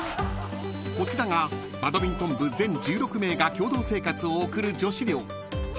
［こちらがバドミントン部全１６名が共同生活を送る］